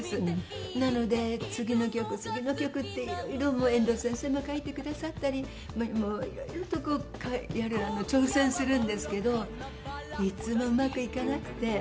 なので次の曲次の曲っていろいろもう遠藤先生も書いてくださったりもういろいろとこう挑戦するんですけどいつもうまくいかなくて。